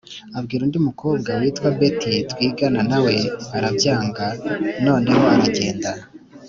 Abwira undi mukobwa witwa Betty twigana nawe arabyanga, noneho aragenda